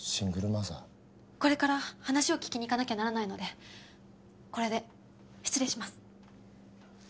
これから話を聞きに行かなきゃならないのでこれで失礼します。